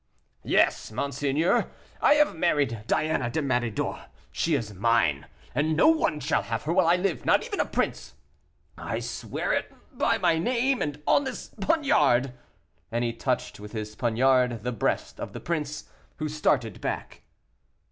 "Yes, monseigneur. I have married Diana de Méridor; she is mine, and no one shall have her while I live not even a prince; I swear it by my name and on this poniard!" and he touched with his poniard the breast of the prince, who started back.